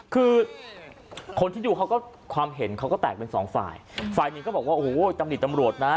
คือคนที่ดูเขาก็ความเห็นเขาก็แตกเป็นสองฝ่ายฝ่ายหนึ่งก็บอกว่าโอ้โหตำหนิตำรวจนะ